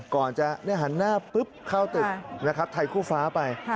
ก่อนจะหันหน้าเพิ่มเข้าตึกถ่ายกู่ฟ้าไป